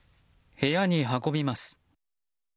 部屋に運びます。